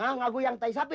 ngagul yang teh sapi